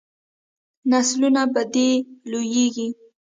نسلونه په دې لویږي.